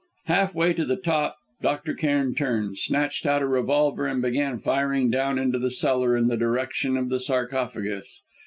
Half way to the top Dr. Cairn turned, snatched out a revolver and began firing down into the cellar in the direction of the sarcophagus.